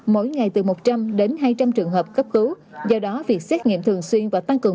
mỗi ngày từ một trăm linh đến hai trăm linh trường hợp cấp cứu do đó việc xét nghiệm thường xuyên và tăng cường